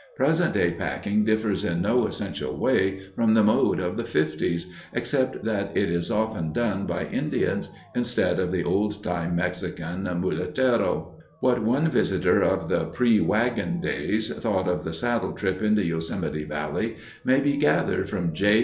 Present day packing differs in no essential way from the mode of the 'fifties, except that it is often done by Indians instead of the old time Mexican mulatero. What one visitor of the pre wagon days thought of the saddle trip into Yosemite Valley may be gathered from J.